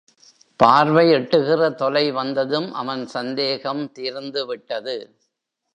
பார்வை எட்டுகிற தொலை வந்ததும் அவன் சந்தேகம் தீர்ந்துவிட்டது.